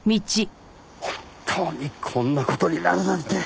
本当にこんな事になるなんて。